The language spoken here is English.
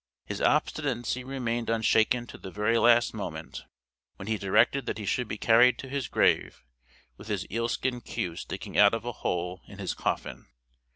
His obstinacy remained unshaken to the very last moment, when he directed that he should be carried to his grave with his eelskin queue sticking out of a hole in his coffin.